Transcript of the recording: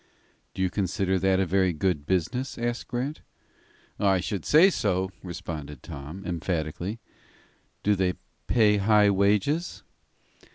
"Do you consider that a very good business?" asked Grant. "I should say so," responded Tom, emphatically. "Do they pay high wages?"